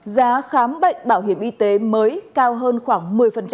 giá khám bệnh bảo hiểm y tế mới cao hơn khoảng một mươi